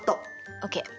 ＯＫ。